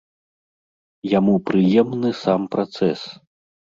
Яму прыемны сам працэс.